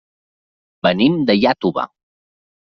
Venim de Iàtova.